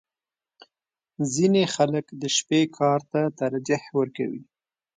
• ځینې خلک د شپې کار ته ترجیح ورکوي.